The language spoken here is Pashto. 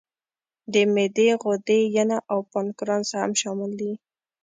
د معدې غدې، ینه او پانکراس هم شامل دي.